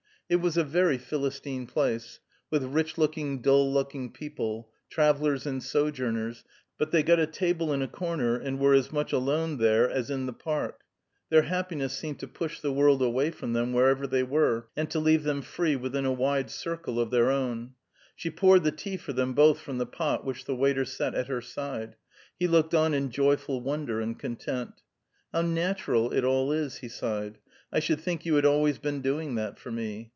It was a very Philistine place, with rich looking, dull looking people, travellers and sojourners, dining about in its spacious splendor; but they got a table in a corner and were as much alone there as in the Park; their happiness seemed to push the world away from them wherever they were, and to leave them free within a wide circle of their own. She poured the tea for them both from the pot which the waiter set at her side; he looked on in joyful wonder and content. "How natural it all is," he sighed. "I should think you had always been doing that for me.